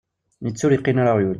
Yettu ur yeqqin ara aɣyul.